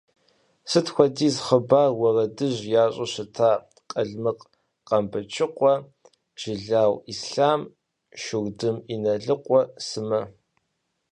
Сыт хуэдиз хъыбар, уэрэдыжь ящӏэу щыта Къалмыкъ Къамбэчыкъуэ, Жылау Ислъам, Шурдым Иналыкъуэ сымэ.